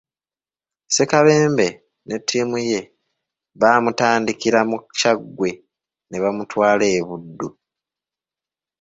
Ssekabembe ne ttiimu ye baamutandikira mu Kyaggwe ne bamutwala e Buddu.